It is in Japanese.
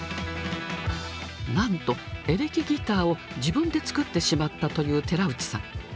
なんとエレキギターを自分で作ってしまったという寺内さん。